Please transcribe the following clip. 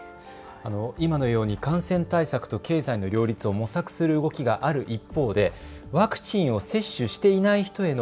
今のように感染対策と経済の両立を模索する動きがある一方でワクチンを接種していない人への